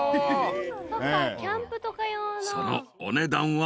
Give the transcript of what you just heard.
［そのお値段は］